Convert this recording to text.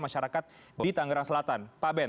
masyarakat di tangerang selatan pak ben